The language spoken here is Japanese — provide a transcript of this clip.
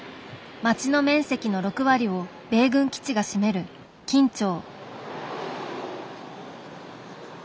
町の面積の６割を米軍基地が占める金武町。